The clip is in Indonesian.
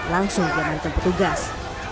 langsung diamankan petugas